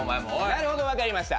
なるほど分かりました。